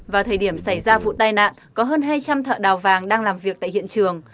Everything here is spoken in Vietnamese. vào thời điểm xảy ra vụ tai nạn có hơn hai trăm linh thợ đào vàng đang làm việc tại hiện trường